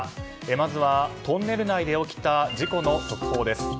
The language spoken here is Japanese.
まずはトンネル内で起きた事故の速報です。